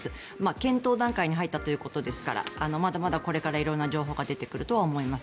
検討段階に入ったということですからまだまだこれから色んな情報が出てくると思います。